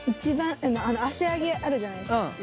足上げあるじゃないですか？